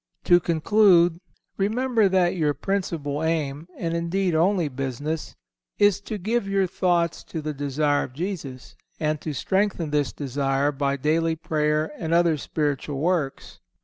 To conclude, remember that your principal aim, and indeed only business, is to give your thoughts to the desire of Jesus, and to strengthen this desire by daily prayer and other spiritual works.